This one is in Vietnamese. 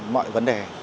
mọi vấn đề